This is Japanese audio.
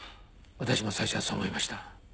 私も最初はそう思いました。